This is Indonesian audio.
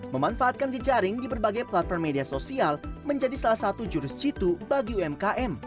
memanfaatkan jejaring di berbagai platform media sosial menjadi salah satu jurus jitu bagi umkm